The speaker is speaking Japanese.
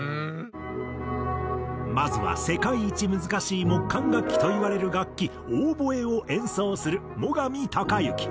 まずは世界一難しい木管楽器といわれる楽器オーボエを演奏する最上峰行。